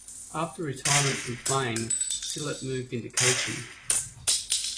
After retirement from playing, Sillett moved into coaching.